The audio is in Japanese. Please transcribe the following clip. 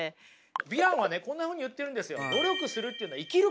ビランはねこんなふうに言ってるんですよ。